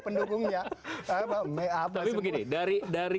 pendukungnya apa apa begini dari dari